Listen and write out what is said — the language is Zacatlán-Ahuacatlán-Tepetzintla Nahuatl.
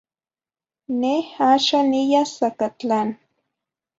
Neh, axah niyas Zacatlán.